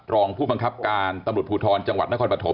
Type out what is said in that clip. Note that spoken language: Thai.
รองผู้บังคับการตำรวจภูทรจังหวัดนครปฐม